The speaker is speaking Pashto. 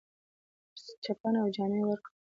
چپنه او جامې ورکړې.